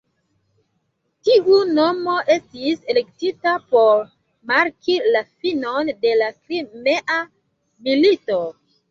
Tiu nomo estis elektita por marki la finon de la Krimea milito.